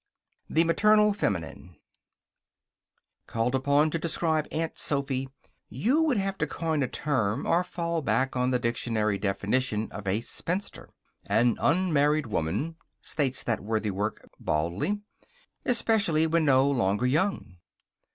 The Maternal Feminine Called upon to describe Aunt Sophy, you would have to coin a term or fall back on the dictionary definition of a spinster. "An unmarried woman," states that worthy work, baldly, "especially when no longer young."